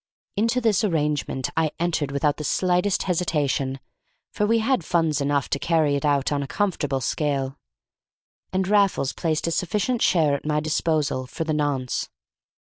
Into this arrangement I entered without the slightest hesitation, for we had funds enough to carry it out on a comfortable scale, and Raffles placed a sufficient share at my disposal for the nonce.